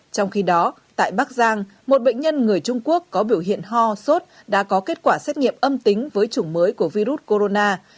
trong khi đó tại bắc giang một bệnh nhân người trung quốc có biểu hiện ho sốt đã có kết quả xét nghiệm âm tính với chủng mới của virus corona